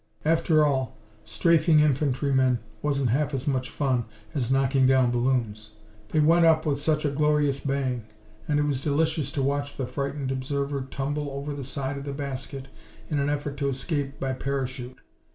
After all, strafing infantrymen wasn't half as much fun as knocking down balloons. They went up with such a glorious bang! And it was delicious to watch the frightened observer tumble over the side of the basket in an effort to escape by parachute.